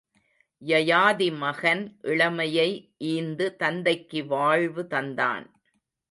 யயாதிமகன் இளமையை ஈந்து தந்தைக்கு வாழ்வு தந்தான்.